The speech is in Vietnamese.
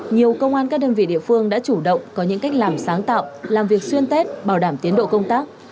nhiều công an các đơn vị địa phương đã chủ động có những cách làm sáng tạo làm việc xuyên tết bảo đảm tiến độ công tác